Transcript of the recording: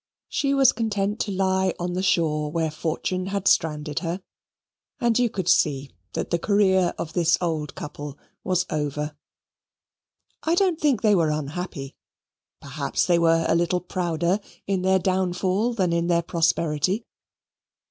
She was content to lie on the shore where fortune had stranded her and you could see that the career of this old couple was over. I don't think they were unhappy. Perhaps they were a little prouder in their downfall than in their prosperity.